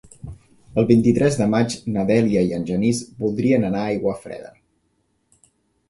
El vint-i-tres de maig na Dèlia i en Genís voldrien anar a Aiguafreda.